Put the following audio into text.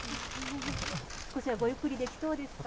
少しはごゆっくりできそうですか。